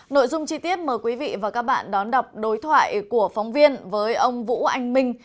nội dung chi tiết mời quý vị và các bạn đón đọc đối thoại của phóng viên với ông vũ anh minh